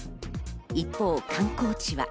一方、観光地は。